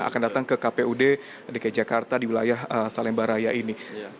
akan datang ke kpud di jakarta di wilayah salem baraya ini